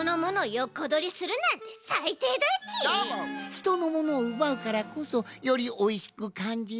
ひとのものをうばうからこそよりおいしくかんじるんだよん。